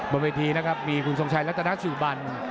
บนวิธีนะครับมีคุณสมชัยรัฐนักสืบัญ